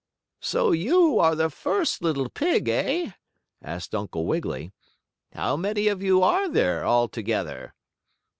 "So you are the first little pig, eh?" asked Uncle Wiggily. "How many of you are there altogether?"